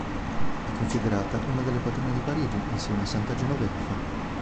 È considerata una delle patrone di Parigi, insieme a Santa Genoveffa.